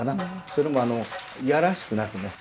それもあの嫌らしくなくね。